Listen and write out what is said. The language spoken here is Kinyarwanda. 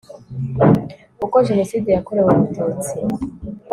uko jenoside yakorewe abatutsi